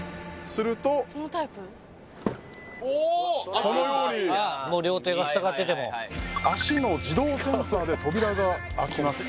するとこのように両手がふさがってても足の自動センサーで扉が開きます